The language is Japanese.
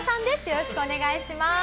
よろしくお願いします。